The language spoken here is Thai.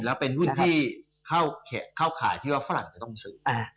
แล้วเป็นหุ้นที่เข้าข่ายที่ว่าฝรั่งจะต้องซื้อ